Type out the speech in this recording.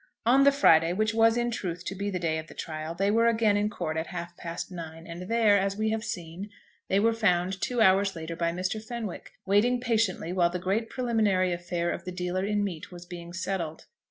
On the Friday, which was in truth to be the day of the trial, they were again in court at half past nine; and there, as we have seen, they were found, two hours later, by Mr. Fenwick, waiting patiently while the great preliminary affair of the dealer in meat was being settled.